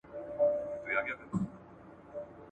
زه د وینو له سېلابه نن تازه یمه راغلی ,